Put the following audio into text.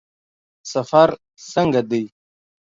سفر څنګه دی؟